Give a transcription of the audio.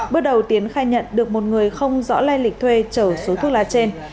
bước đầu tiến khai nhận được một người không rõ lai lịch thuê trở số thuốc lá trên